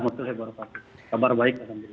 waalaikumsalam bahagia kabar baik